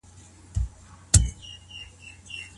ولي لېواله انسان د لوستي کس په پرتله لوړ مقام نیسي؟